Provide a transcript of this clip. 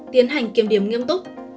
tiến hành kiểm điểm nghiêm túc